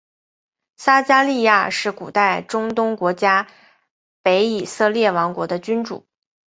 撒迦利雅是古代中东国家北以色列王国的君主。